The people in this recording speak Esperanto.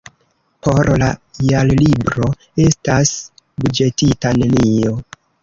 Por la Jarlibro estas buĝetita nenio.